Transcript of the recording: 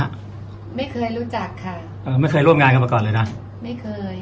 ไม่เคยรู้จักค่ะเอ่อไม่เคยร่วมงานกันมาก่อนเลยนะไม่เคย